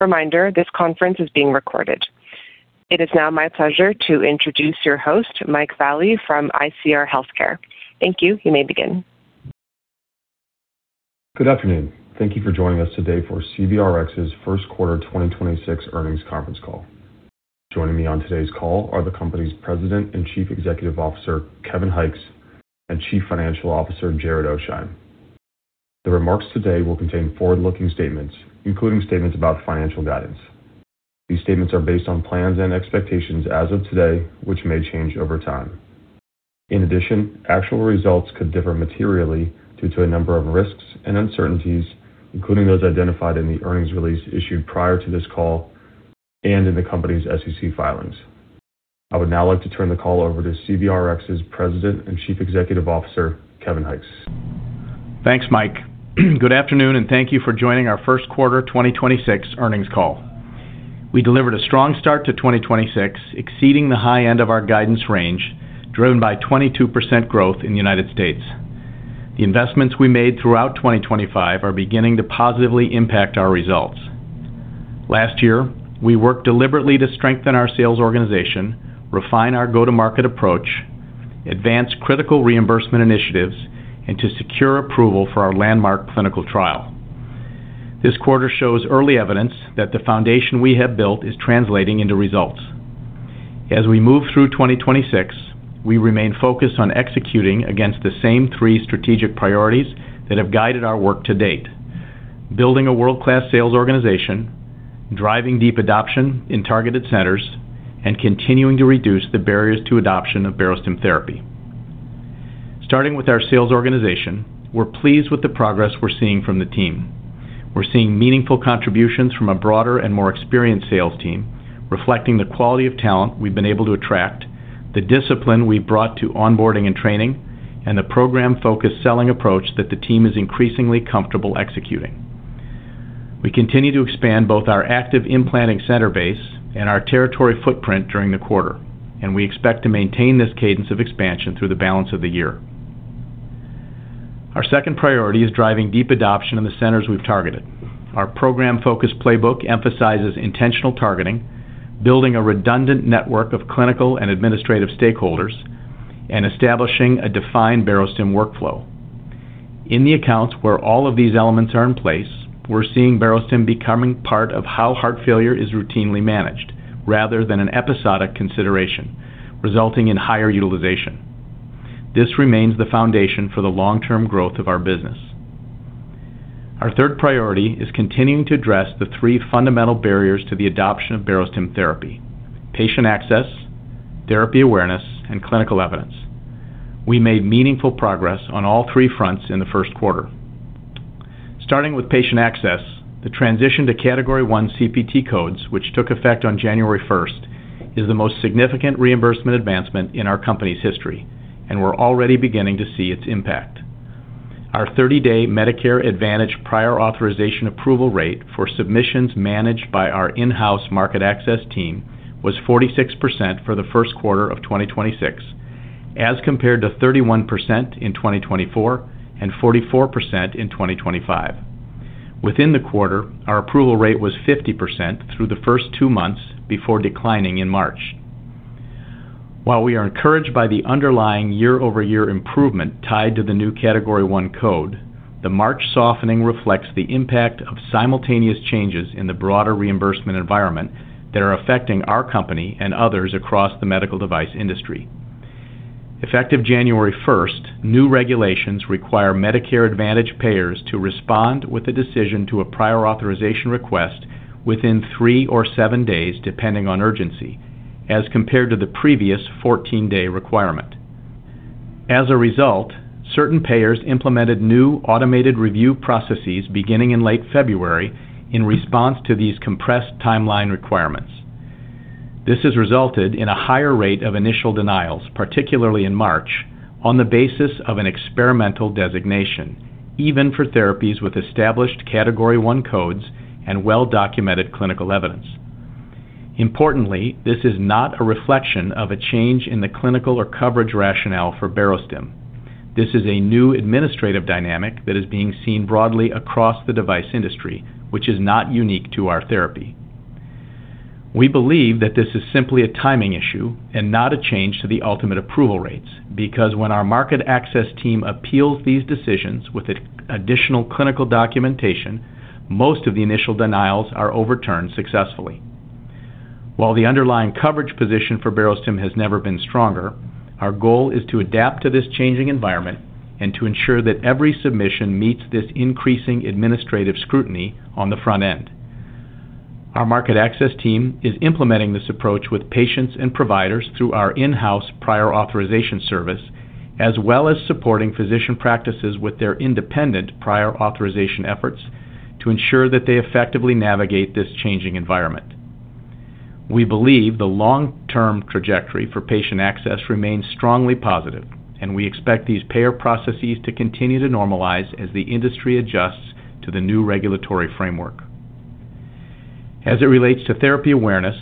Reminder, this conference is being recorded. It is now my pleasure to introduce your host, Mike Vallie from ICR Healthcare. Thank you. You may begin. Good afternoon. Thank you for joining us today for CVRx's Q1 2026 earnings conference call. Joining me on today's call are the company's President and Chief Executive Officer, Kevin Hykes, and Chief Financial Officer, Jared Oasheim. The remarks today will contain forward-looking statements, including statements about financial guidance. These statements are based on plans and expectations as of today, which may change over time. In addition, actual results could differ materially due to a number of risks and uncertainties, including those identified in the earnings release issued prior to this call and in the company's SEC filings. I would now like to turn the call over to CVRx's President and Chief Executive Officer, Kevin Hykes. Thanks, Mike. Good afternoon, and thank you for joining our Q1 2026 earnings call. We delivered a strong start to 2026, exceeding the high end of our guidance range, driven by 22% growth in the United States. The investments we made throughout 2025 are beginning to positively impact our results. Last year, we worked deliberately to strengthen our sales organization, refine our go-to-market approach, advance critical reimbursement initiatives, and to secure approval for our landmark clinical trial. This quarter shows early evidence that the foundation we have built is translating into results. As we move through 2026, we remain focused on executing against the same three strategic priorities that have guided our work to date: building a world-class sales organization, driving deep adoption in targeted centers, and continuing to reduce the barriers to adoption of Barostim therapy. Starting with our sales organization, we're pleased with the progress we're seeing from the team. We're seeing meaningful contributions from a broader and more experienced sales team, reflecting the quality of talent we've been able to attract, the discipline we brought to onboarding and training, and the program-focused selling approach that the team is increasingly comfortable executing. We continue to expand both our active implanting center base and our territory footprint during the quarter, and we expect to maintain this cadence of expansion through the balance of the year. Our second priority is driving deep adoption in the centers we've targeted. Our program-focused playbook emphasizes intentional targeting, building a redundant network of clinical and administrative stakeholders, and establishing a defined Barostim workflow. In the accounts where all of these elements are in place, we're seeing Barostim becoming part of how heart failure is routinely managed rather than an episodic consideration, resulting in higher utilization. This remains the foundation for the long-term growth of our business. Our third priority is continuing to address the three fundamental barriers to the adoption of Barostim therapy: patient access, therapy awareness, and clinical evidence. We made meaningful progress on all three fronts in the Q1. Starting with patient access, the transition to Category I CPT codes, which took effect on January first, is the most significant reimbursement advancement in our company's history, and we're already beginning to see its impact. Our 30-day Medicare Advantage prior authorization approval rate for submissions managed by our in-house market access team was 46% for the Q1 of 2026 as compared to 31% in 2024 and 44% in 2025. Within the quarter, our approval rate was 50% through the first two months before declining in March. While we are encouraged by the underlying year-over-year improvement tied to the new Category I code, the March softening reflects the impact of simultaneous changes in the broader reimbursement environment that are affecting our company and others across the medical device industry. Effective January 1st, new regulations require Medicare Advantage payers to respond with a decision to a prior authorization request within 3 or 7 days, depending on urgency, as compared to the previous 14-day requirement. As a result, certain payers implemented new automated review processes beginning in late February in response to these compressed timeline requirements. This has resulted in a higher rate of initial denials, particularly in March, on the basis of an experimental designation, even for therapies with established Category I codes and well-documented clinical evidence. Importantly, this is not a reflection of a change in the clinical or coverage rationale for Barostim. This is a new administrative dynamic that is being seen broadly across the device industry, which is not unique to our therapy. We believe that this is simply a timing issue and not a change to the ultimate approval rates because when our market access team appeals these decisions with additional clinical documentation, most of the initial denials are overturned successfully. While the underlying coverage position for Barostim has never been stronger, our goal is to adapt to this changing environment and to ensure that every submission meets this increasing administrative scrutiny on the front end. Our market access team is implementing this approach with patients and providers through our in-house prior authorization service, as well as supporting physician practices with their independent prior authorization efforts to ensure that they effectively navigate this changing environment. We believe the long-term trajectory for patient access remains strongly positive, and we expect these payer processes to continue to normalize as the industry adjusts to the new regulatory framework. As it relates to therapy awareness.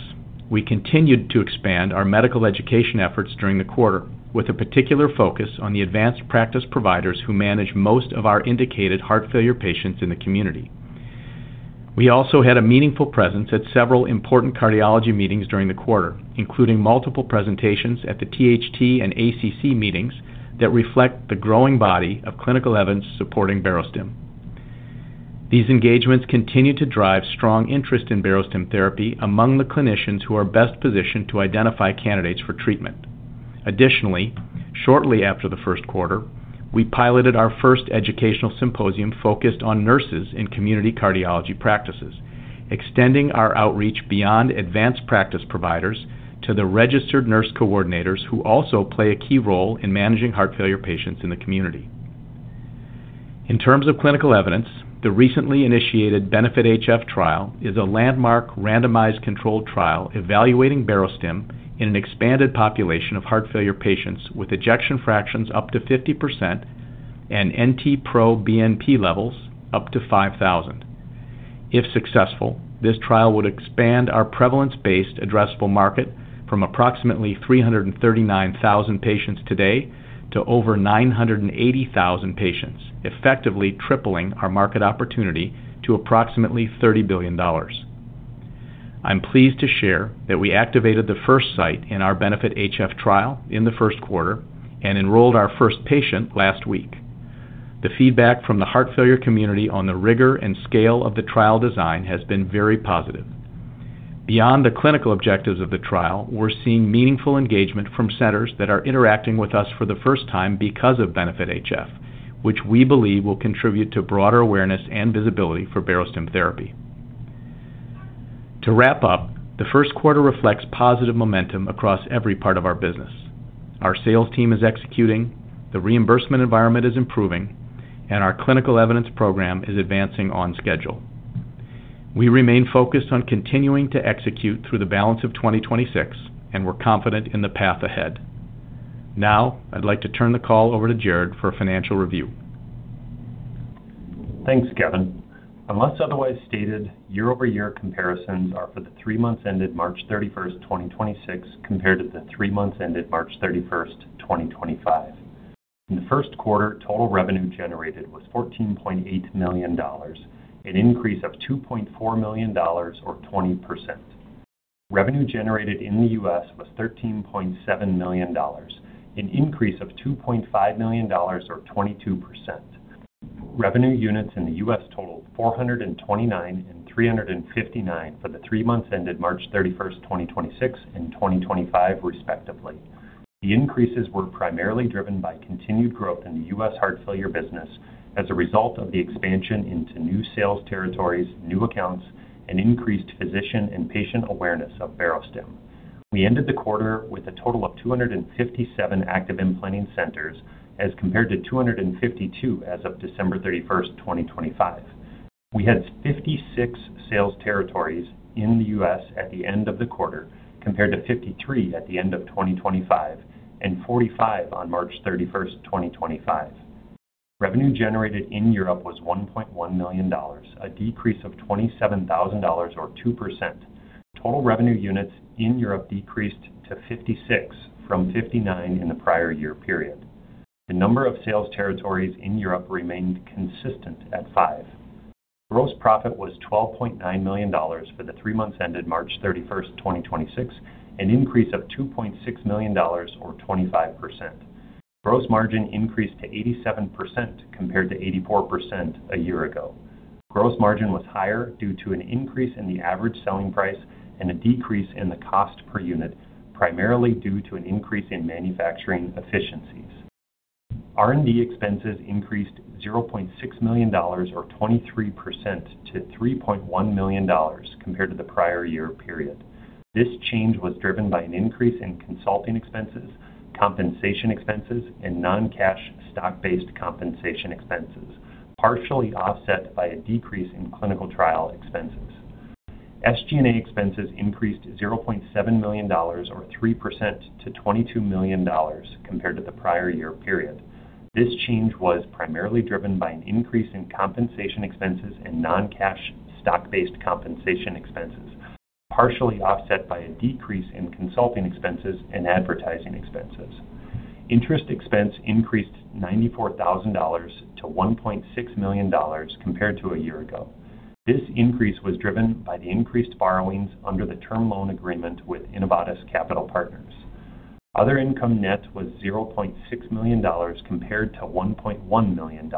We continued to expand our medical education efforts during the quarter with a particular focus on the advanced practice providers who manage most of our indicated heart failure patients in the community. We also had a meaningful presence at several important cardiology meetings during the quarter, including multiple presentations at the THT and ACC meetings that reflect the growing body of clinical evidence supporting Barostim. These engagements continue to drive strong interest in Barostim therapy among the clinicians who are best positioned to identify candidates for treatment. Additionally, shortly after the Q1, we piloted our first educational symposium focused on nurses in community cardiology practices, extending our outreach beyond advanced practice providers to the registered nurse coordinators who also play a key role in managing heart failure patients in the community. In terms of clinical evidence, the recently initiated BENEFIT-HF trial is a landmark randomized controlled trial evaluating Barostim in an expanded population of heart failure patients with ejection fraction up to 50% and NT-proBNP levels up to 5,000. If successful, this trial would expand our prevalence-based addressable market from approximately 339,000 patients today to over 980,000 patients, effectively tripling our market opportunity to approximately $30 billion. I'm pleased to share that we activated the first site in our BENEFIT-HF trial in the Q1 and enrolled our first patient last week. The feedback from the heart failure community on the rigor and scale of the trial design has been very positive. Beyond the clinical objectives of the trial, we're seeing meaningful engagement from centers that are interacting with us for the first time because of BENEFIT-HF, which we believe will contribute to broader awareness and visibility for Barostim therapy. To wrap up, the Q1 reflects positive momentum across every part of our business. Our sales team is executing, the reimbursement environment is improving, and our clinical evidence program is advancing on schedule. We remain focused on continuing to execute through the balance of 2026, and we're confident in the path ahead. Now, I'd like to turn the call over to Jared for a financial review. Thanks, Kevin. Unless otherwise stated, year-over-year comparisons are for the three months ended March 31st, 2026, compared to the three months ended March 31st, 2025. In the Q1, total revenue generated was $14.8 million, an increase of $2.4 million or 20%. Revenue generated in the U.S. was $13.7 million, an increase of $2.5 million or 22%. Revenue units in the U.S. totaled 429 and 359 for the three months ended March 31st, 2026 and 2025, respectively. The increases were primarily driven by continued growth in the U.S. heart failure business as a result of the expansion into new sales territories, new accounts, and increased physician and patient awareness of Barostim. We ended the quarter with a total of 257 active implanting centers as compared to 252 as of December 31, 2025. We had 56 sales territories in the U.S. at the end of the quarter compared to 53 at the end of 2025 and 45 on March 31, 2025. Revenue generated in Europe was $1.1 million, a decrease of $27,000 or 2%. Total revenue units in Europe decreased to 56 from 59 in the prior year period. The number of sales territories in Europe remained consistent at five. Gross profit was $12.9 million for the three months ended March 31, 2026, an increase of $2.6 million or 25%. Gross margin increased to 87% compared to 84% a year ago. Gross margin was higher due to an increase in the average selling price and a decrease in the cost per unit, primarily due to an increase in manufacturing efficiencies. R&D expenses increased $0.6 million or 23% to $3.1 million compared to the prior year period. This change was driven by an increase in consulting expenses, compensation expenses, and non-cash stock-based compensation expenses, partially offset by a decrease in clinical trial expenses. SG&A expenses increased $0.7 million or 3% to $22 million compared to the prior year period. This change was primarily driven by an increase in compensation expenses and non-cash stock-based compensation expenses, partially offset by a decrease in consulting expenses and advertising expenses. Interest expense increased $94,000 to $1.6 million compared to a year ago. This increase was driven by the increased borrowings under the term loan agreement with Innovatus Capital Partners. Other income net was $0.6 million compared to $1.1 million.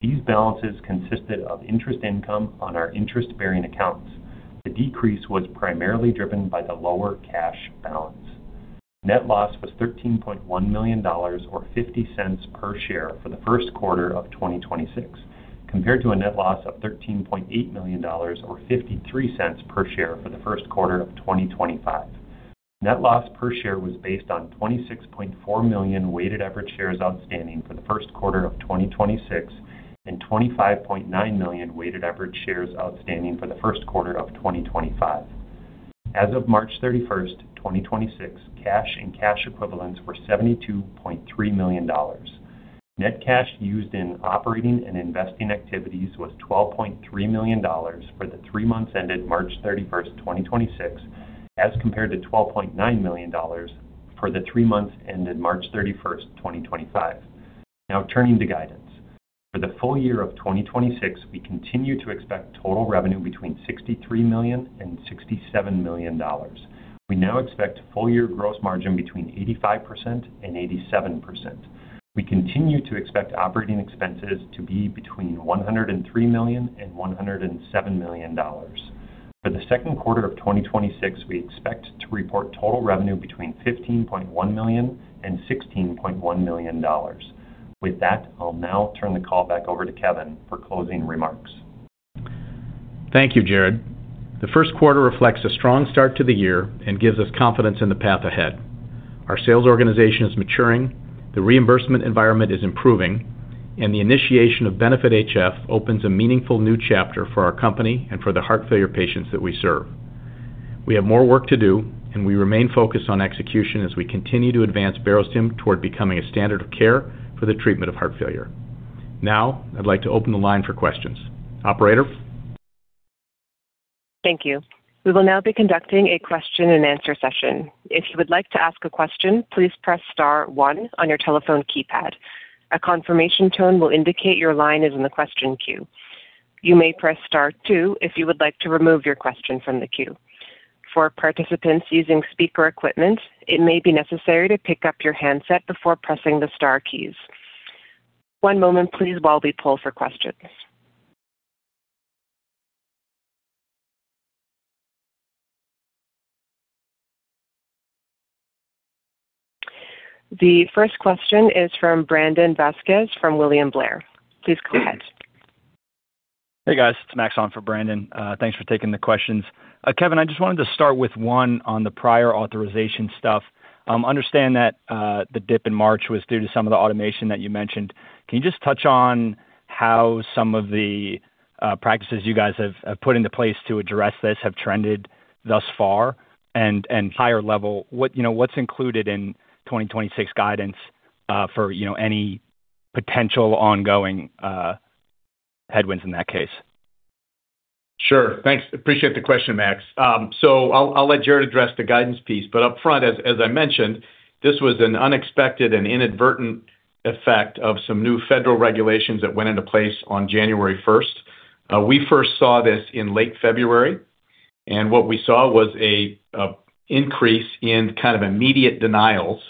These balances consisted of interest income on our interest-bearing accounts. The decrease was primarily driven by the lower cash balance. Net loss was $13.1 million or $0.50 per share for the Q1 of 2026, compared to a net loss of $13.8 million or $0.53 per share for the Q1 of 2025. Net loss per share was based on 26.4 million weighted average shares outstanding for the Q1 of 2026 and 25.9 million weighted average shares outstanding for the Q1 of 2025. As of March 31st, 2026, cash and cash equivalents were $72.3 million. Net cash used in operating and investing activities was $12.3 million for the three months ended March 31st, 2026, as compared to $12.9 million for the three months ended March 31st, 2025. Turning to guidance. For the full year of 2026, we continue to expect total revenue between $63 million and $67 million. We now expect full year gross margin between 85% and 87%. We continue to expect operating expenses to be between $103 million and $107 million. For the Q2 of 2026, we expect to report total revenue between $15.1 million and $16.1 million. I'll now turn the call back over to Kevin for closing remarks. Thank you, Jared. The Q1 reflects a strong start to the year and gives us confidence in the path ahead. Our sales organization is maturing, the reimbursement environment is improving, and the initiation of BENEFIT-HF opens a meaningful new chapter for our company and for the heart failure patients that we serve. We have more work to do, and we remain focused on execution as we continue to advance Barostim toward becoming a standard of care for the treatment of heart failure. Now, I'd like to open the line for questions. Operator? Thank you. We will now be conducting a question and answer session. If you would like to ask a question, please press star one on your telephone keypad. A confirmation tone will indicate your line is in the question queue. You may press star two if you would like to remove your question from the queue. For participants using speaker equipment, it may be necessary to pick up your handset before pressing the star keys. One moment please while we pull for questions. The first question is from Brandon Vazquez from William Blair. Please go ahead. Hey, guys. It's Max on for Brandon. Thanks for taking the questions. Kevin, I just wanted to start with one on the prior authorization stuff. I understand that the dip in March was due to some of the automation that you mentioned. Can you just touch on how some of the practices you guys have put into place to address this have trended thus far and higher level, what, you know, what's included in 2026 guidance for, you know, any potential ongoing headwinds in that case? Sure. Thanks. Appreciate the question, Max. I'll let Jared address the guidance piece, but upfront as I mentioned, this was an unexpected and inadvertent effect of some new federal regulations that went into place on January 1st. We first saw this in late February, and what we saw was an increase in kind of immediate denials,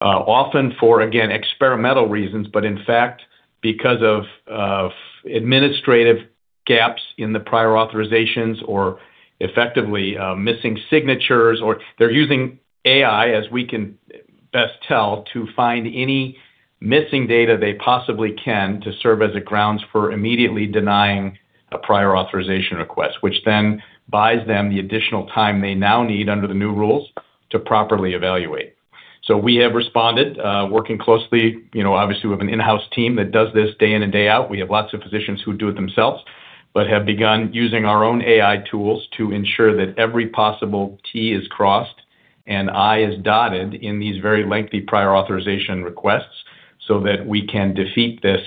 often for, again, experimental reasons, but in fact because of administrative gaps in the prior authorizations or effectively, missing signatures, or they're using AI, as we can best tell, to find any missing data they possibly can to serve as a grounds for immediately denying a prior authorization request, which then buys them the additional time they now need under the new rules to properly evaluate. We have responded, working closely. You know, obviously, we have an in-house team that does this day in and day out. We have lots of physicians who do it themselves, but have begun using our own AI tools to ensure that every possible T is crossed and I is dotted in these very lengthy prior authorization requests so that we can defeat this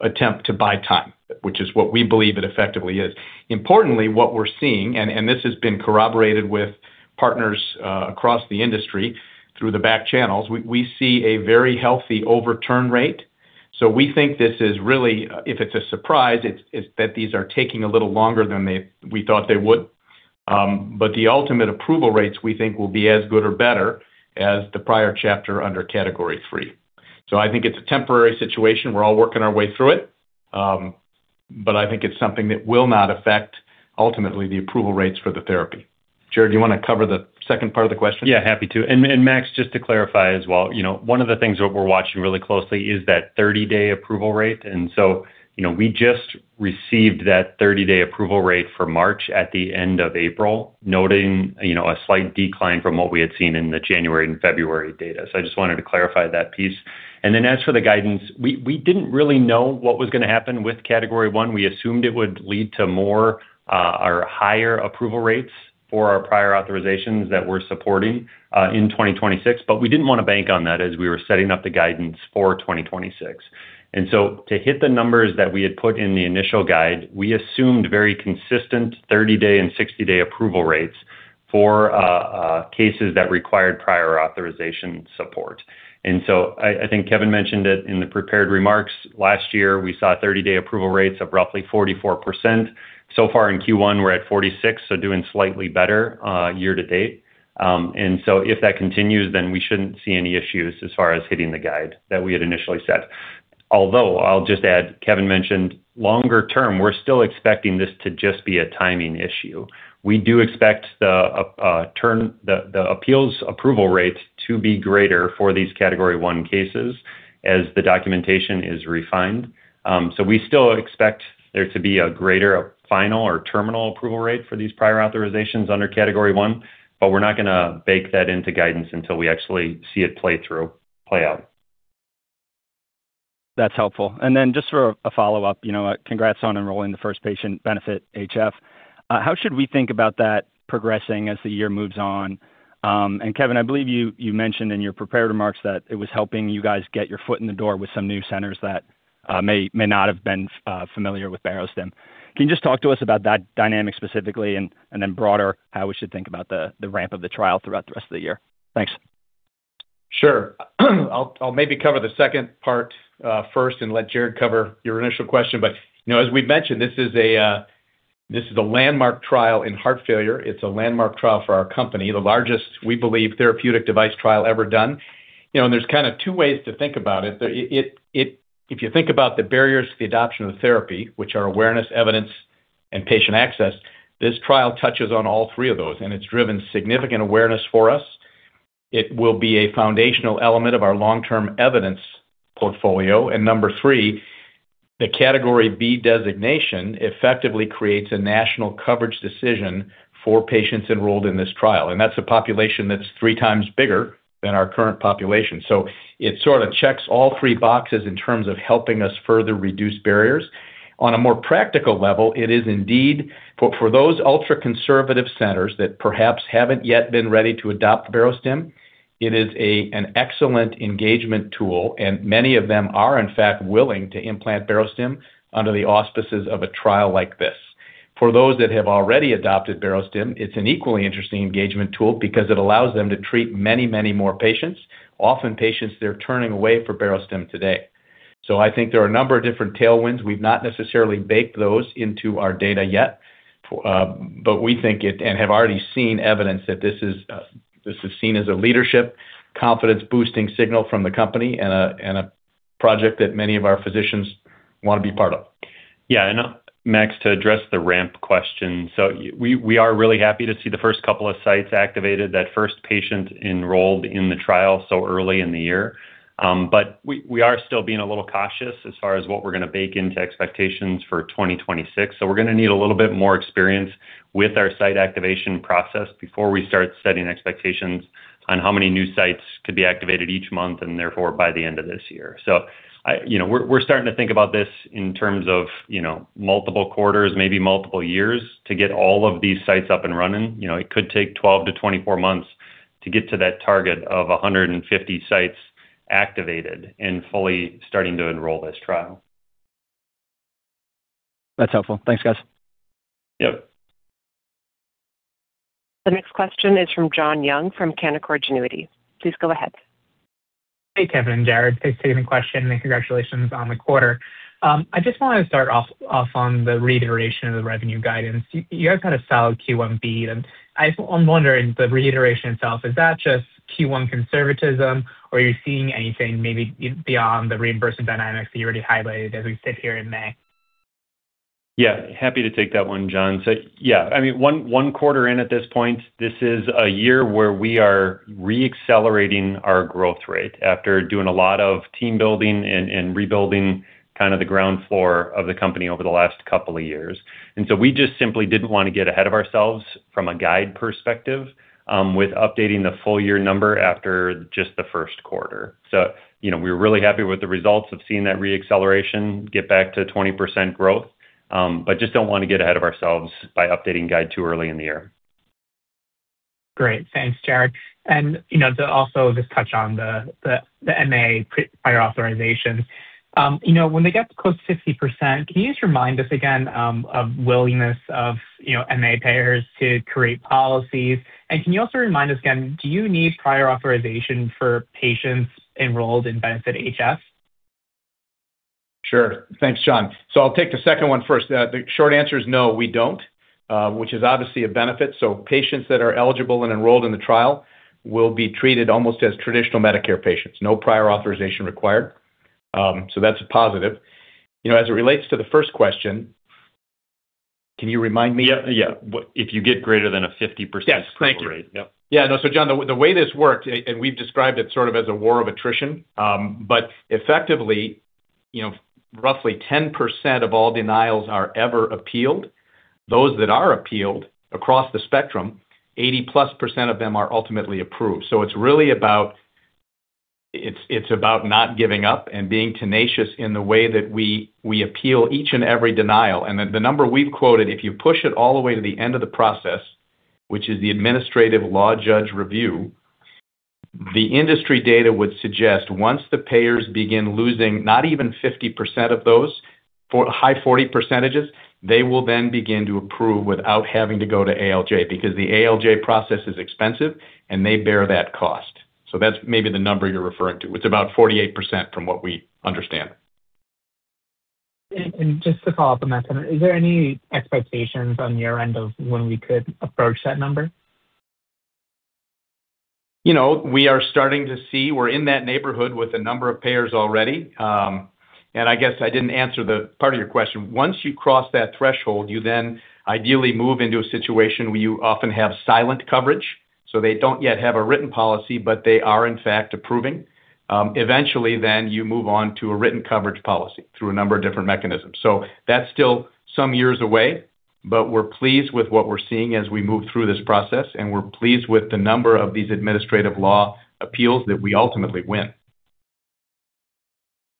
attempt to buy time, which is what we believe it effectively is. Importantly, what we are seeing, and this has been corroborated with partners across the industry through the back channels, we see a very healthy overturn rate. We think this is really, if it is a surprise, it is that these are taking a little longer than we thought they would. The ultimate approval rates we think will be as good or better as the prior chapter under Category III. I think it's a temporary situation. We're all working our way through it. I think it's something that will not affect ultimately the approval rates for the therapy. Jared, do you want to cover the second part of the question? Yeah, happy to. Max, just to clarify as well, you know, one of the things that we're watching really closely is that 30-day approval rate. You know, we just received that 30-day approval rate for March at the end of April, noting, you know, a slight decline from what we had seen in the January and February data. I just wanted to clarify that piece. As for the guidance, we didn't really know what was going to happen with Category I. We assumed it would lead to more or higher approval rates for our prior authorizations that we're supporting in 2026. We didn't want to bank on that as we were setting up the guidance for 2026. To hit the numbers that we had put in the initial guide, we assumed very consistent 30-day and 60-day approval rates for cases that required prior authorization support. I think Kevin mentioned it in the prepared remarks. Last year, we saw 30-day approval rates of roughly 44%. So far in Q1, we're at 46, so doing slightly better year to date. If that continues, then we shouldn't see any issues as far as hitting the guide that we had initially set. Although I'll just add, Kevin mentioned longer term, we're still expecting this to just be a timing issue. We do expect the appeals approval rate to be greater for these Category 1 cases as the documentation is refined. We still expect there to be a greater final or terminal approval rate for these prior authorizations under Category I, but we're not gonna bake that into guidance until we actually see it play through, play out. That's helpful. Then just for a follow-up, you know, congrats on enrolling the first patient, BENEFIT-HF. How should we think about that progressing as the year moves on? Kevin, I believe you mentioned in your prepared remarks that it was helping you guys get your foot in the door with some new centers that may not have been familiar with Barostim. Can you just talk to us about that dynamic specifically and then broader, how we should think about the ramp of the trial throughout the rest of the year? Thanks. Sure. I'll maybe cover the second part first and let Jared cover your initial question. You know, as we've mentioned, this is a landmark trial in heart failure. It's a landmark trial for our company, the largest, we believe, therapeutic device trial ever done. You know, there's kind of two ways to think about it. If you think about the barriers to the adoption of therapy, which are awareness, evidence, and patient access, this trial touches on all three of those, and it's driven significant awareness for us. It will be a foundational element of our long-term evidence portfolio. Number three, the Category B designation effectively creates a National Coverage Determination for patients enrolled in this trial, and that's a population that's three times bigger than our current population. It sort of checks all three boxes in terms of helping us further reduce barriers. On a more practical level, it is indeed for those ultra-conservative centers that perhaps haven't yet been ready to adopt Barostim, it is an excellent engagement tool, and many of them are, in fact, willing to implant Barostim under the auspices of a trial like this. For those that have already adopted Barostim, it's an equally interesting engagement tool because it allows them to treat many, many more patients, often patients they're turning away for Barostim today. I think there are a number of different tailwinds. We've not necessarily baked those into our data yet, but we think it and have already seen evidence that this is seen as a leadership confidence-boosting signal from the company and a, and a project that many of our physicians want to be part of. Max, to address the ramp question. We are really happy to see the first couple of sites activated, that first patient enrolled in the trial so early in the year. We are still being a little cautious as far as what we are going to bake into expectations for 2026. We are going to need a little bit more experience with our site activation process before we start setting expectations on how many new sites could be activated each month and therefore by the end of this year. You know, we are starting to think about this in terms of, you know, multiple quarters, maybe multiple years to get all of these sites up and running. You know, it could take 12-24 months to get to that target of 150 sites activated and fully starting to enroll this trial. That's helpful. Thanks, guys. Yep. The next question is from Jon Young from Canaccord Genuity. Please go ahead. Hey, Kevin and Jared. Thanks for taking the question. Congratulations on the quarter. I just wanted to start off on the reiteration of the revenue guidance. You guys had a solid Q1 beat, I'm wondering, the reiteration itself, is that just Q1 conservatism or are you seeing anything maybe beyond the reimbursement dynamics that you already highlighted as we sit here in May? Yeah, happy to take that one, Jon. Yeah, I mean, one quarter in at this point, this is a year where we are re-accelerating our growth rate after doing a lot of team building and rebuilding kind of the ground floor of the company over the last couple of years. We just simply didn't wanna get ahead of ourselves from a guide perspective with updating the full year number after just the Q1. You know, we're really happy with the results of seeing that re-acceleration get back to 20% growth, but just don't wanna get ahead of ourselves by updating guide too early in the year. Great. Thanks, Jared. You know, to also just touch on the MA prior authorization. You know, when they get close to 50%, can you just remind us again of willingness of, you know, MA payers to create policies? Can you also remind us again, do you need prior authorization for patients enrolled in BENEFIT-HF? Sure. Thanks, Jon. I'll take the second one first. The short answer is no, we don't, which is obviously a benefit. Patients that are eligible and enrolled in the trial will be treated almost as traditional Medicare patients. No prior authorization required. That's a positive. You know, as it relates to the first question, can you remind me? Yeah, yeah. If you get greater than a 50% approval rate. Yes. Thank you. Yep. No, Jon, the way this worked, and we've described it sort of as a war of attrition. Effectively, you know, roughly 10% of all denials are ever appealed. Those that are appealed across the spectrum, 80%+ of them are ultimately approved. It's really about not giving up and being tenacious in the way that we appeal each and every denial. The number we've quoted, if you push it all the way to the end of the process, which is the administrative law judge review, the industry data would suggest once the payers begin losing not even 50% of those, for high 40 percentages, they will then begin to approve without having to go to ALJ because the ALJ process is expensive, and they bear that cost. That's maybe the number you're referring to. It's about 48% from what we understand. Just to follow up on that, Kevin, is there any expectations on your end of when we could approach that number? You know, we are starting to see we're in that neighborhood with a number of payers already. I guess I didn't answer the part of your question. Once you cross that threshold, you then ideally move into a situation where you often have silent coverage. They don't yet have a written policy, but they are, in fact, approving. Eventually then you move on to a written coverage policy through a number of different mechanisms. That's still some years away. We're pleased with what we're seeing as we move through this process, and we're pleased with the number of these administrative law appeals that we ultimately win.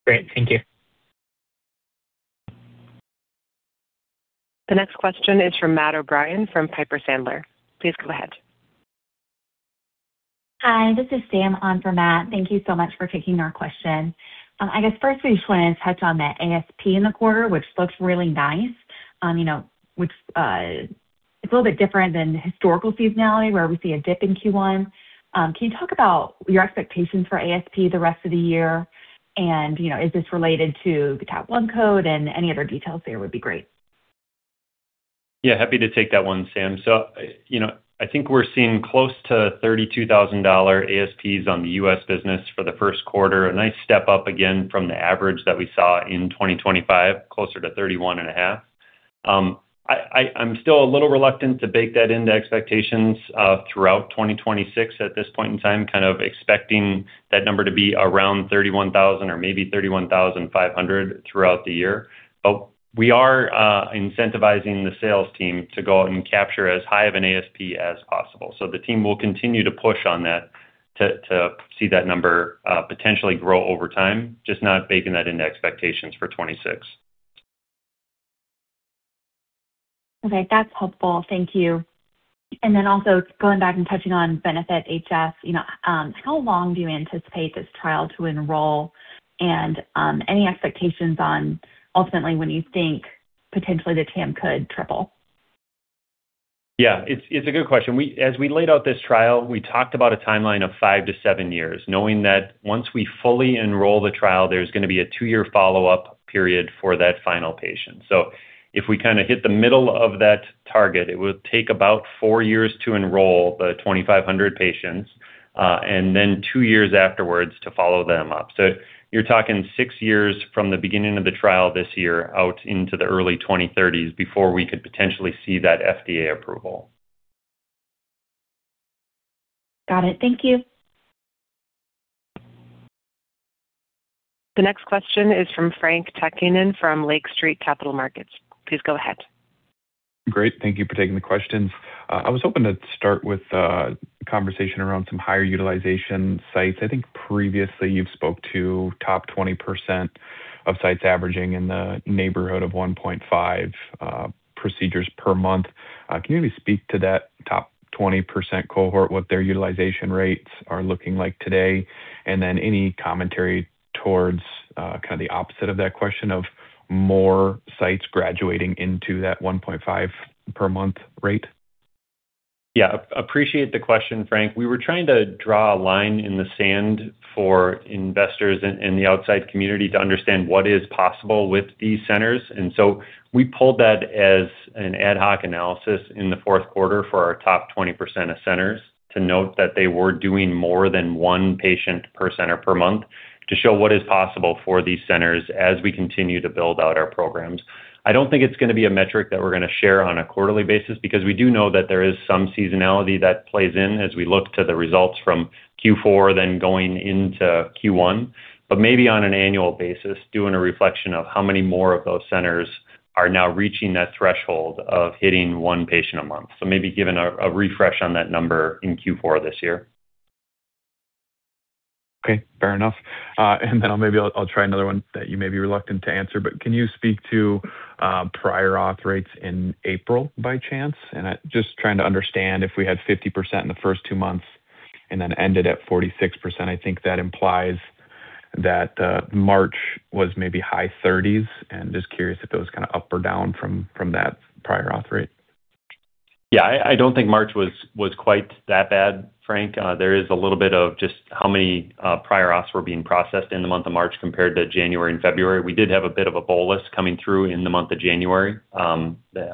Great. Thank you. The next question is from Matt O'Brien from Piper Sandler. Please go ahead. Hi, this is Sam on for Matt. Thank you so much for taking our question. I guess first we just wanted to touch on the ASP in the quarter, which looks really nice. You know, which, it's a little bit different than historical seasonality, where we see a dip in Q1. Can you talk about your expectations for ASP the rest of the year? You know, is this related to the Category I code? Any other details there would be great. Yeah, happy to take that one, Sam. You know, I think we're seeing close to $32,000 ASPs on the U.S. business for the Q1. A nice step up again from the average that we saw in 2025, closer to $31,500. I'm still a little reluctant to bake that into expectations throughout 2026 at this point in time, kind of expecting that number to be around $31,000 or maybe $31,500 throughout the year. We are incentivizing the sales team to go out and capture as high of an ASP as possible. The team will continue to push on that to see that number potentially grow over time, just not baking that into expectations for 2026. Okay. That's helpful. Thank you. Also going back and touching on BENEFIT-HF, you know, how long do you anticipate this trial to enroll? Any expectations on ultimately when you think potentially the TAM could triple? Yeah. It's a good question. As we laid out this trial, we talked about a timeline of five to seven years, knowing that once we fully enroll the trial, there's gonna be a two-year follow-up period for that final patient. If we kinda hit the middle of that target, it would take about four years to enroll the 2,500 patients, and then two years afterwards to follow them up. You're talking six years from the beginning of the trial this year out into the early 2030s before we could potentially see that FDA approval. Got it. Thank you. The next question is from Frank Takkinen from Lake Street Capital Markets. Please go ahead. Great. Thank you for taking the questions. I was hoping to start with a conversation around some higher utilization sites. I think previously you've spoke to top 20% of sites averaging in the neighborhood of 1.5 procedures per month. Can you maybe speak to that top 20% cohort, what their utilization rates are looking like today? Any commentary towards, kinda the opposite of that question of more sites graduating into that 1.5 per month rate? Yeah. Appreciate the question, Frank. We were trying to draw a line in the sand for investors and the outside community to understand what is possible with these centers. We pulled that as an ad hoc analysis in the Q4 for our top 20% of centers to note that they were doing more than one patient per center per month to show what is possible for these centers as we continue to build out our programs. I don't think it's gonna be a metric that we're gonna share on a quarterly basis because we do know that there is some seasonality that plays in as we look to the results from Q4 then going into Q1. Maybe on an annual basis, doing a reflection of how many more of those centers are now reaching that threshold of hitting one patient a month. maybe giving a refresh on that number in Q4 this year. Okay. Fair enough. I'll maybe try another one that you may be reluctant to answer. Can you speak to prior auth rates in April by chance? I'm just trying to understand if we had 50% in the first two months and then ended at 46%, I think that implies that March was maybe high thirties. Just curious if that was kinda up or down from that prior auth rate. Yeah. I don't think March was quite that bad, Frank. There is a little bit of just how many prior auths were being processed in the month of March compared to January and February. We did have a bit of a bolus coming through in the month of January that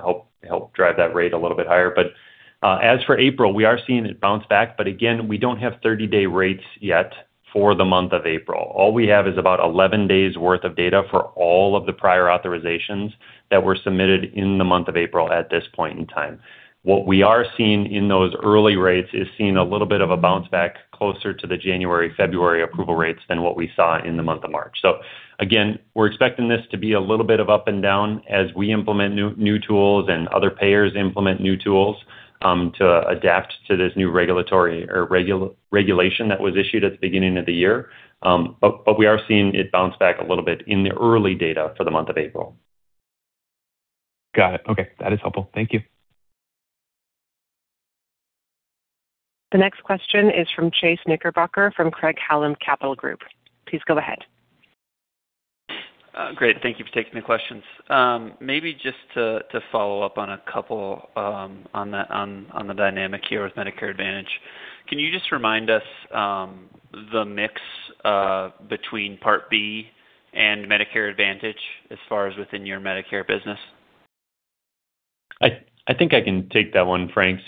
helped drive that rate a little bit higher. As for April, we are seeing it bounce back, but again, we don't have 30-day rates yet for the month of April. All we have is about 11 days worth of data for all of the prior authorizations that were submitted in the month of April at this point in time. What we are seeing in those early rates is seeing a little bit of a bounce back closer to the January, February approval rates than what we saw in the month of March. Again, we're expecting this to be a little bit of up and down as we implement new tools and other payers implement new tools to adapt to this new regulation that was issued at the beginning of the year. We are seeing it bounce back a little bit in the early data for the month of April. Got it. Okay. That is helpful. Thank you. The next question is from Chase Knickerbocker from Craig-Hallum Capital Group. Please go ahead. Great. Thank you for taking the questions. Maybe just to follow up on a couple, on the dynamic here with Medicare Advantage. Can you just remind us, the mix, between Part B and Medicare Advantage as far as within your Medicare business? I think I can take that one, Frank.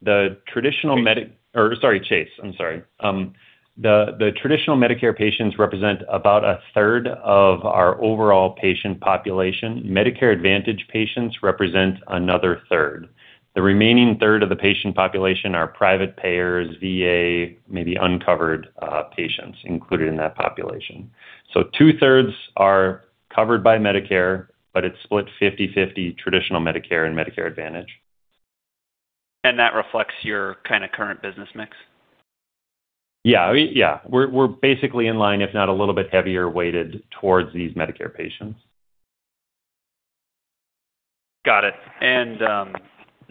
The traditional or sorry, Chase. I'm sorry. The traditional Medicare patients represent about a third of our overall patient population. Medicare Advantage patients represent another third. The remaining third of the patient population are private payers, VA, maybe uncovered patients included in that population. Two-thirds are covered by Medicare, but it's split 50/50 traditional Medicare and Medicare Advantage. That reflects your kinda current business mix? Yeah. I mean, yeah. We're basically in line, if not a little bit heavier-weighted towards these Medicare patients. Got it.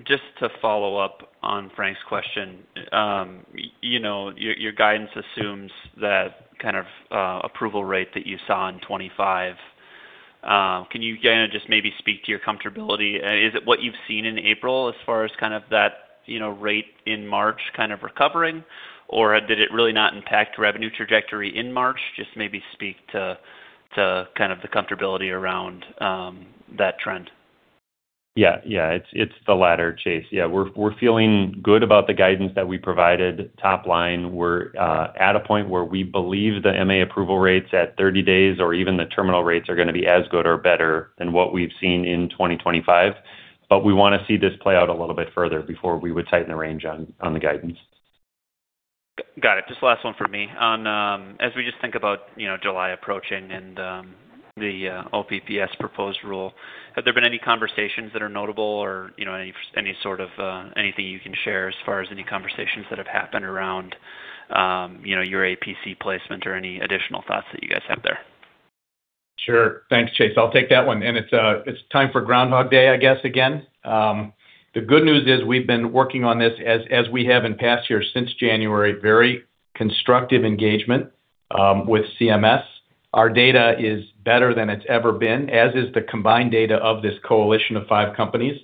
Just to follow up on Frank's question, you know, your guidance assumes that kind of approval rate that you saw in 25. Can you know, just maybe speak to your comfortability? Is it what you've seen in April as far as kind of that, you know, rate in March kind of recovering? Did it really not impact revenue trajectory in March? Just maybe speak to kind of the comfortability around that trend. Yeah. Yeah. It's, it's the latter, Chase. Yeah. We're, we're feeling good about the guidance that we provided top line. We're at a point where we believe the MA approval rates at 30 days or even the terminal rates are gonna be as good or better than what we've seen in 2025. We wanna see this play out a little bit further before we would tighten the range on the guidance. Got it. Just last one from me. On, as we just think about, you know, July approaching and the OPPS proposed rule, have there been any conversations that are notable or, you know, any sort of, anything you can share as far as any conversations that have happened around, you know, your APC placement or any additional thoughts that you guys have there? Sure. Thanks, Chase. I'll take that one. It's time for Groundhog Day, I guess, again. The good news is we've been working on this as we have in past years since January, very constructive engagement with CMS. Our data is better than it's ever been, as is the combined data of this coalition of five companies.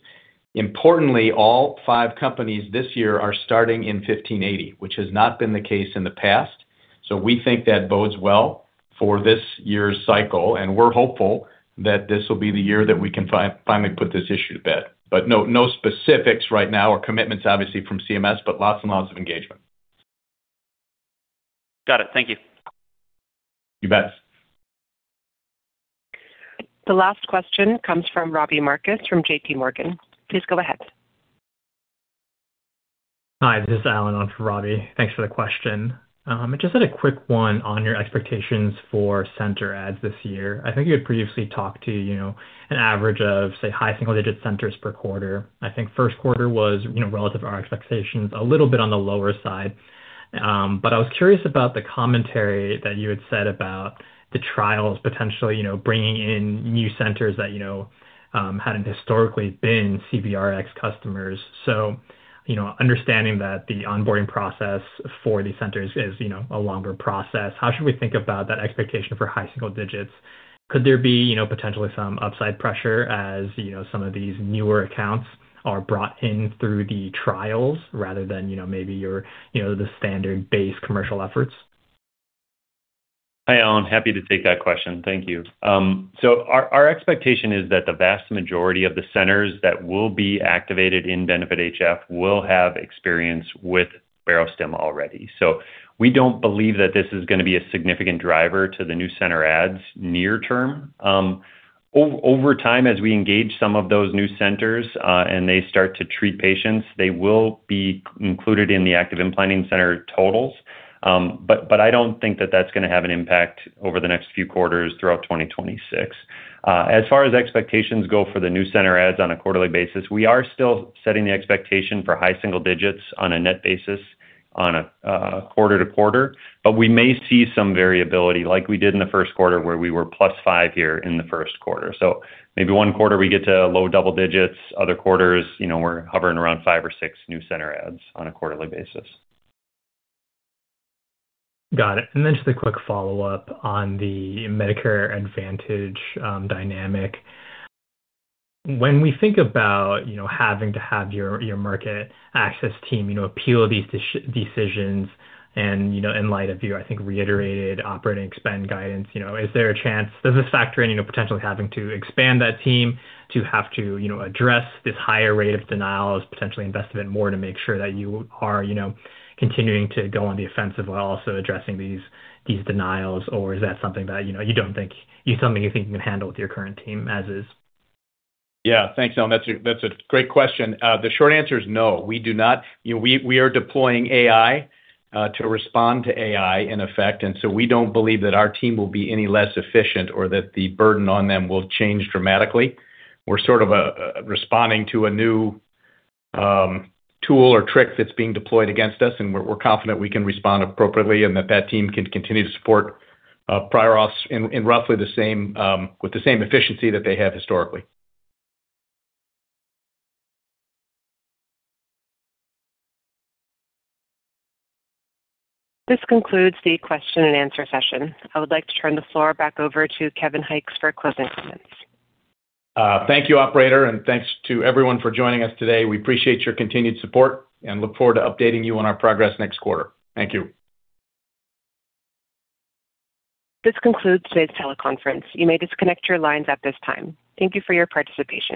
Importantly, all five companies this year are starting in 1580, which has not been the case in the past. We think that bodes well for this year's cycle, and we're hopeful that this will be the year that we can finally put this issue to bed. No, no specifics right now or commitments obviously from CMS, but lots and lots of engagement. Got it. Thank you. You bet. The last question comes from Robbie Marcus from J.P. Morgan. Please go ahead. Hi, this is Alan on for Robbie. Thanks for the question. I just had a quick one on your expectations for center adds this year. I think you had previously talked to, you know, an average of, say, high single-digit centers per quarter. I think Q1 was, you know, relative to our expectations, a little bit on the lower side. I was curious about the commentary that you had said about the trials potentially, you know, bringing in new centers that, you know, hadn't historically been CVRx customers. You know, understanding that the onboarding process for these centers is, you know, a longer process, how should we think about that expectation for high single digits? Could there be, you know, potentially some upside pressure as, you know, some of these newer accounts are brought in through the trials rather than, you know, maybe your, you know, the standard base commercial efforts? Hi, Alan. Happy to take that question. Thank you. Our expectation is that the vast majority of the centers that will be activated in BENEFIT-HF will have experience with Barostim already. We don't believe that this is going to be a significant driver to the new center adds near term. Over time, as we engage some of those new centers, and they start to treat patients, they will be included in the active implanting center totals. I don't think that that's going to have an impact over the next few quarters throughout 2026. As far as expectations go for the new center adds on a quarterly basis, we are still setting the expectation for high single digits on a net basis on a quarter to quarter. We may see some variability like we did in the Q1, where we were +5 here in the Q1. Maybe 1 quarter we get to low double digits, other quarters, you know, we're hovering around five or six new center adds on a quarterly basis. Got it. Just a quick follow-up on the Medicare Advantage dynamic. When we think about, you know, having to have your market access team, you know, appeal these decisions and, you know, in light of your, I think, reiterated operating spend guidance, you know, does this factor in, you know, potentially having to expand that team to have to, you know, address this higher rate of denials, potentially invest a bit more to make sure that you are, you know, continuing to go on the offensive while also addressing these denials? Or is that something you think you can handle with your current team as is? Yeah. Thanks, Alan. That's a great question. The short answer is no, we do not. You know, we are deploying AI to respond to AI in effect, we don't believe that our team will be any less efficient or that the burden on them will change dramatically. We're sort of responding to a new tool or trick that's being deployed against us, and we're confident we can respond appropriately and that team can continue to support prior auths in roughly the same with the same efficiency that they have historically. This concludes the question and answer session. I would like to turn the floor back over to Kevin Hykes for closing comments. Thank you, operator, and thanks to everyone for joining us today. We appreciate your continued support and look forward to updating you on our progress next quarter. Thank you. This concludes today's teleconference. You may disconnect your lines at this time. Thank you for your participation.